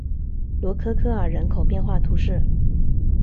罗科科尔人口变化图示